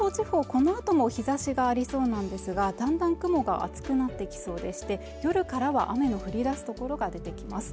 このあとも日差しがありそうなんですがだんだん雲が厚くなってきそうでして夜からは雨の降り出すところが出てきます